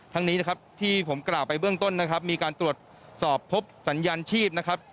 นี้นะครับที่ผมกล่าวไปเบื้องต้นนะครับมีการตรวจสอบพบสัญญาณชีพนะครับ